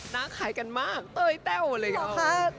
น่าขายกันมากเตยแต้วอะไรอย่างนี้ค่ะ